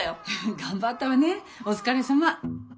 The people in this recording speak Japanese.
頑張ったわねお疲れさま。